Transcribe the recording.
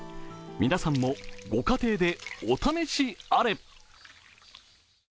皆さんも御家庭でお試しあれ！